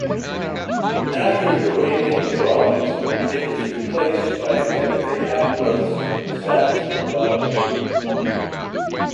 After the Rainhill Trials it was replaced by Timothy Hackworth's "Sans Pareil".